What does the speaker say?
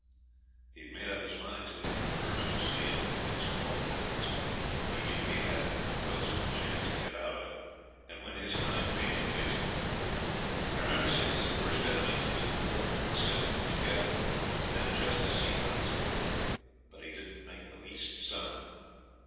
He'd made up his mind to it from the first, you see, and that makes all the difference. He knew he hadn't the ghost of a chance to get out of it, and when his time came he faced it. I remember seeing his worst enemy come into the court, and sit and look at him then just to see how he took it, but he didn't make the least sign.